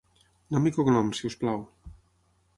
Nom i cognoms, sisplau.